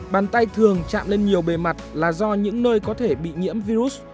bàn tay thường chạm lên nhiều bề mặt là do những nơi có thể bị nhiễm virus